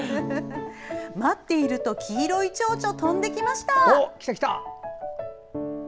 待っていると、黄色いチョウチョ飛んできました！